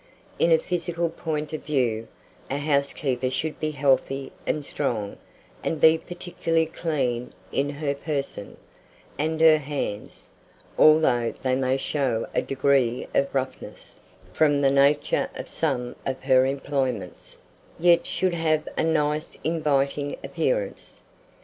In a physical point of view, a housekeeper should be healthy and strong, and be particularly clean in her person, and her hands, although they may show a degree of roughness, from the nature of some of her employments, yet should have a nice inviting appearance.